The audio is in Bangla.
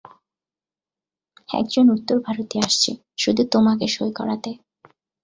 একজন উত্তর ভারতীয় আসছে শুধু তোমাকে সঁই করাতে।